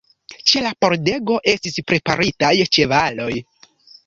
Ĉe la pordego estis preparitaj ĉevaloj.